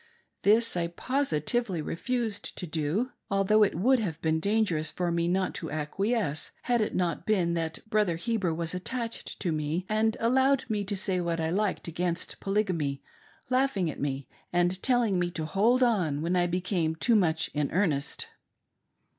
This I positively refused to do, although it would have been dangerous for me not to acquiesce had it not been that Brother Heber was attached to me and allowed me to say what I likfed against Polygamy, laughing at me and telling me to " hold on " when I became too much in earnest.